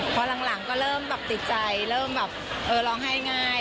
พอหลังก็เริ่มติดใจเริ่มร้องไห้ง่าย